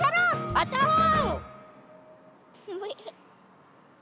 わたろう！